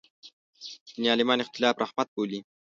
دیني عالمان اختلاف رحمت بولي.